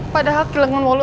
padahal kilangan wolu